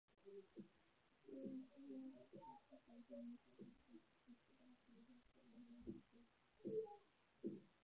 斯旺斯扎的采石场证明早在旧石器时代肯特就已有人居住。